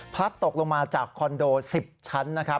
พัดตกลงมาจากคอนโด๑๐ชั้น